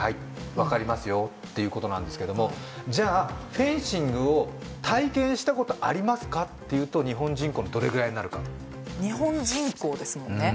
「わかりますよ」っていうことなんですけどもじゃあフェンシングを体験したことありますかっていうと日本人口のどれぐらいになるか日本人口ですもんね